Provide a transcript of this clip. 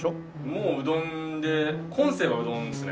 もううどんで今世はうどんですね。